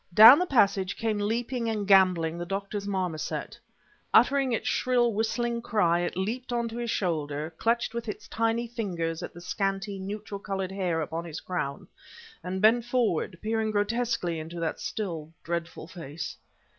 Down the passage came leaping and gamboling the doctor's marmoset. Uttering its shrill, whistling cry, it leaped onto his shoulder, clutched with its tiny fingers at the scanty, neutral colored hair upon his crown, and bent forward, peering grotesquely into that still, dreadful face.